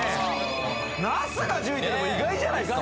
なすが１０位意外じゃないですか